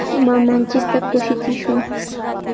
Mamanchikta kushichishun.